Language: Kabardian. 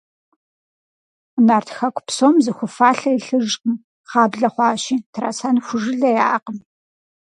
Нарт хэку псом зы ху фалъэ илъыжкъым, гъаблэ хъуащи, трасэн ху жылэ яӀэкъым.